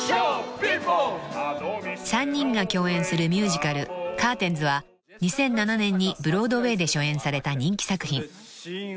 ［３人が共演するミュージカル『カーテンズ』は２００７年にブロードウェイで初演された人気作品］